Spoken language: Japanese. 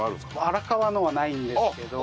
荒川のはないんですけど。